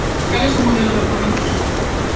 ¿Cal é o seu modelo de orzamentos?